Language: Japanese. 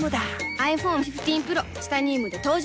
ｉＰｈｏｎｅ１５Ｐｒｏ チタニウムで登場